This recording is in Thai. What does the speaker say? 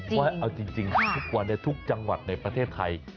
ว่าเอาจริงทุกวันนี้ทุกจังหวัดในประเทศไทย